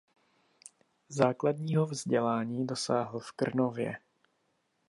Základního vzdělání dosáhl v Krnově.